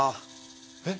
えっ？